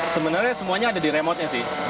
sebenarnya semuanya ada di remote nya sih